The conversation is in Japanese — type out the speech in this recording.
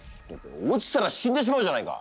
落ちたら死んでしまうじゃないか！